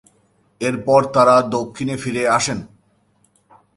এরপর তারা দক্ষিণ ফিরে আসেন।